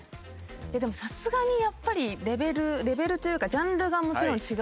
でもさすがにやっぱりレベルレベルというかジャンルがもちろん違うので本当に。